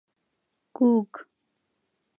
کوږ